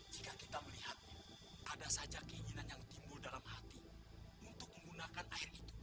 jika kita melihat ada saja keinginan yang timbul dalam hati untuk menggunakan air itu